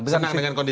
dengan kondisi ini